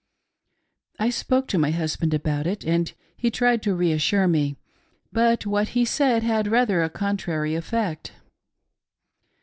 I spoke to my husband about it, and he tried to reassure me, but what he said had rather a contrary effect.